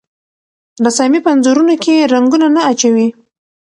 رسامي په انځورونو کې رنګونه نه اچوي.